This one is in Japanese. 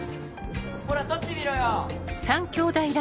ほら取ってみろよ！